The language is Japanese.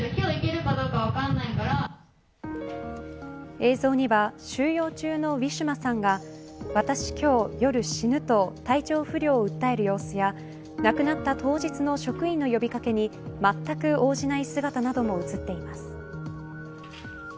映像には収容中のウィシュマさんが私、今日夜死ぬと体調不良を訴える様子や亡くなった当日の職員の呼び掛けにまったく応じない姿なども映っています。